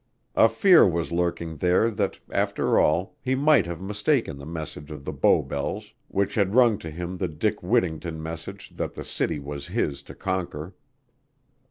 A fear was lurking there that, after all, he might have mistaken the message of the Bow Bells which had rung to him the Dick Whittington message that the city was his to conquer.